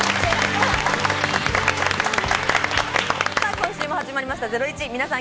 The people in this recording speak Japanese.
今週も始まりました『ゼロイチ』、皆さん